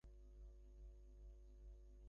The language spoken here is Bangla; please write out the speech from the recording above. দেখো আমার সামুরাই কাপ!